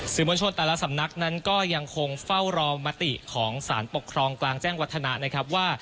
มวลชนแต่ละสำนักนั้นก็ยังคงเฝ้ารอมติของสารปกครองกลางแจ้งวัฒนะนะครับว่า